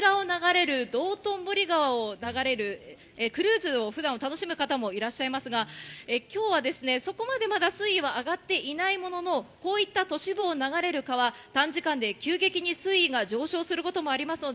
そして、この道頓堀といえば、道頓堀川を流れるクルーズを普段は楽しむ方もいらっしゃいますが、きょうはそこまでまだ水位は上がっていないものの、こういった都市部を流れる川、短時間で急激に水位が上昇することもあります。